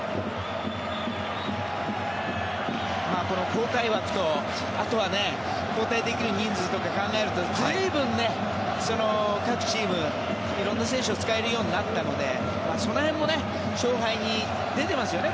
交代枠と、あとは交代できる人数とか考えると随分、各チーム、色んな選手を使えるようになったのでその辺も勝敗に出ていますよね